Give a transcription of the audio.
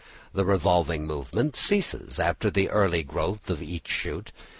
The revolving movement ceases after the early growth of each shoot.